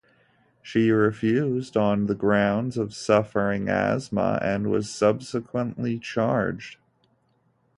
She refused on the grounds of suffering asthma, and was subsequently charged.